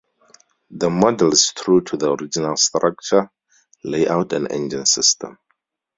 The model is true to the original in structure, layout, and engine system.